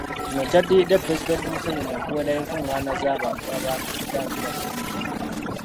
Kino kyaddiridde Pulezidenti Museveni okuwera enkungaana z’abantu abangi okutangira ssennyiga.